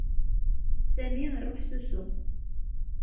Sami iruḥ s usu.